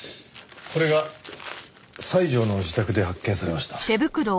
これが西條の自宅で発見されました。